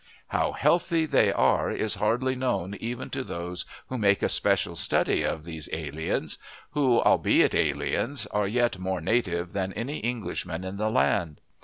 How healthy they are is hardly known even to those who make a special study of these aliens, who, albeit aliens, are yet more native than any Englishman in the land.